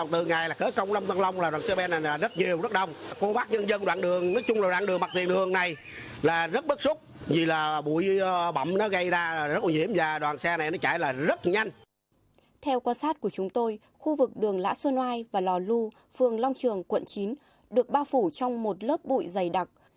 theo quan sát của chúng tôi khu vực đường lã xuân oai và lò lu phường long trường quận chín được bao phủ trong một lớp bụi dày đặc